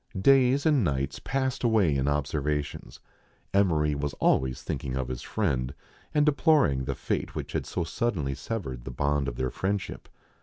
Days and nights passed away in observations. Emery was always thinking of his friend, and deploring the fate which had so suddenly severed the bond of their friend ship.